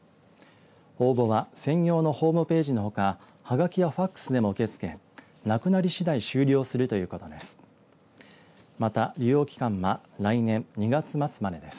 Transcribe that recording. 応募は専用のホームページのほかはがきやファックスでの受け付けなくなり次第終了するということです。